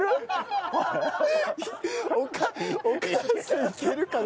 お母さんいけるかな。